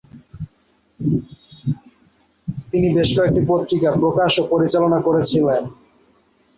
তিনি বেশ কয়েকটি পত্রিকা প্রকাশ ও পরিচালনা করেছিলেন।